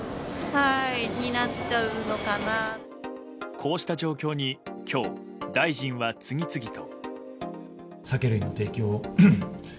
こうした状況に今日、大臣は次々と。